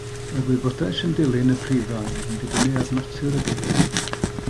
Mae'r wybodaeth sy'n dilyn y prifair yn dibynnu ar natur y geiriadur.